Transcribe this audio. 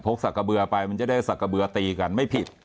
กระเบือไปมันจะได้สักกระเบือตีกันไม่ผิด